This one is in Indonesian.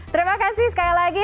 terima kasih sekali lagi